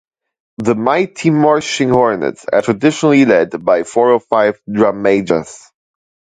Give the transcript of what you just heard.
The Mighty Marching Hornets are traditionally led by four or five drum majors.